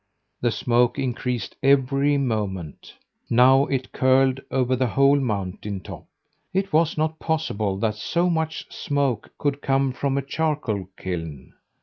The smoke increased every moment. Now it curled over the whole mountain top. It was not possible that so much smoke could come from a charcoal kiln.